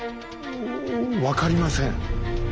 分かりません。